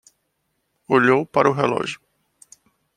Olhou para o relógio